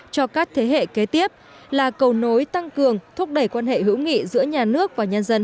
cho các thế hệ kế tiếp là cầu nối tăng cường thúc đẩy quan hệ hữu nghị giữa nhà nước và nhân dân